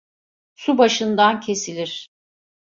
Su başından kesilir.